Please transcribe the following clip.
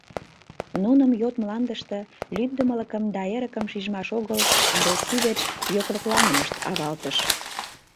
Нуным йот мландыште лӱддымылыкым да эрыкым шижмаш огыл, а Россий верч йокрокланымышт авалтыш.